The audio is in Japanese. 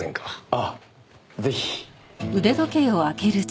ああぜひ。